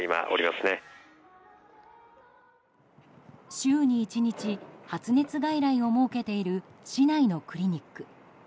週に１日、発熱外来を設けている市内のクリニック。